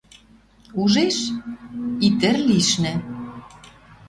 Ужеш: и тӹр лишнӹ